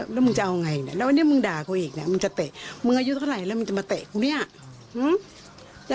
แล้วมึงจะเอาไงเนี่ยแล้ววันนี้มึงด่ากูอีกเนี่ยมึงจะเตะ